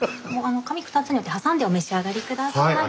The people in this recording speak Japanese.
紙二つに折って挟んでお召し上がり下さい。